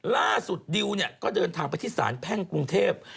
ดิวเนี่ยก็เดินทางไปที่สารแพ่งกรุงเทพ